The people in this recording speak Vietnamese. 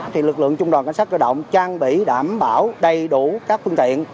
thì lực lượng trung đoàn cảnh sát cơ động trang bị đảm bảo đầy đủ các phương tiện